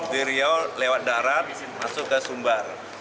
di riau lewat darat masuk ke sumbar